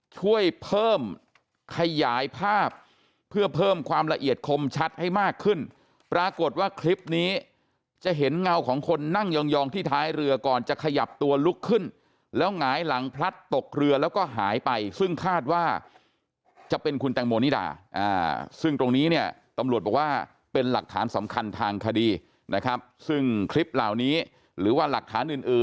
ช่วยเพิ่มขยายภาพเพื่อเพิ่มความละเอียดคมชัดให้มากขึ้นปรากฏว่าคลิปนี้จะเห็นเงาของคนนั่งยองที่ท้ายเรือก่อนจะขยับตัวลุกขึ้นแล้วหงายหลังพลัดตกเรือแล้วก็หายไปซึ่งคาดว่าจะเป็นคุณแตงโมนิดาซึ่งตรงนี้เนี่ยตำรวจบอกว่าเป็นหลักฐานสำคัญทางคดีนะครับซึ่งคลิปเหล่านี้หรือว่าหลักฐานอื่น